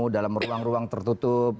dalam ruang ruang tertutup